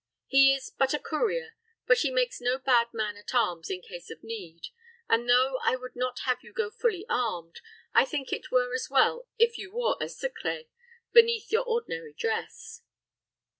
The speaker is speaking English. He is but a courier, but he makes no bad man at arms in case of need; and, though I would not have you go fully armed, I think it were as well if you wore a secret beneath your ordinary dress."